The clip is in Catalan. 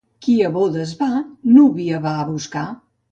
Qui a bodes va, núvia va a buscar.